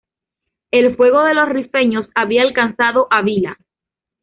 El fuego de los rifeños había alcanzado a Vila.